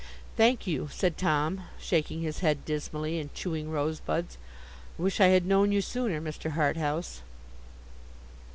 'Thank you,' said Tom, shaking his head dismally, and chewing rosebuds. 'I wish I had known you sooner, Mr. Harthouse.